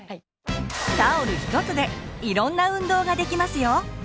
タオル１つでいろんな運動ができますよ！